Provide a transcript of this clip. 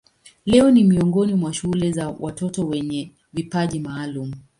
Leo ni miongoni mwa shule za watoto wenye vipaji maalumu.